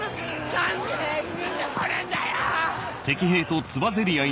何で援軍が来ねえんだよ！